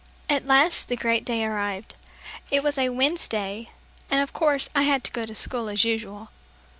At last the great day arrived. It was a Wednesday, and of course I had to go to school as usual.